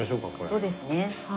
そうですね。